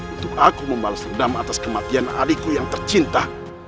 untuk aku membalas dendam atas kematian adikku yang tercinta